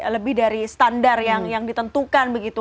lebih dari standar yang ditentukan begitu